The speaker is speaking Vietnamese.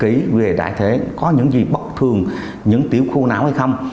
ký về đại thể có những gì bất thường những tiểu khu não hay không